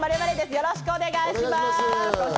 よろしくお願いします。